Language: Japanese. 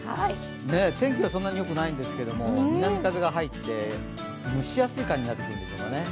天気はそんなによくないんですけども、南風が入って蒸し暑い感じになってくるんでしょうかね。